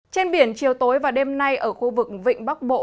trên biển chiều tối và đêm nay ở khu vực vịnh bắc bộ